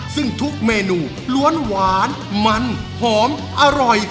ซึ่งทุกเมนูล้วนหวานมันหอมอร่อย